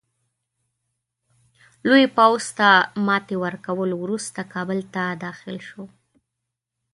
لوی پوځ ته ماتي ورکولو وروسته کابل ته داخل شو.